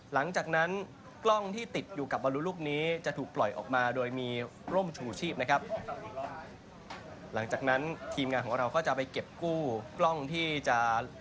หลังจากนั้นกล้องที่ติดอยู่กับบอลลูลูกนี้จะถูกปล่อยออกมาโดยมีร่มชูชีพนะครับหลังจากนั้นทีมงานของเราก็จะไปเก็บกู้กล้องที่จะ